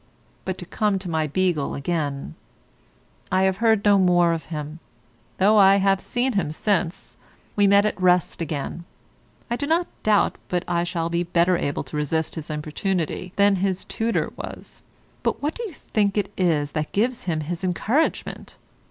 But to come to my Beagle again. I have heard no more of him, though I have seen him since; we met at Wrest again. I do not doubt but I shall be better able to resist his importunity than his tutor was; but what do you think it is that gives him his encouragement?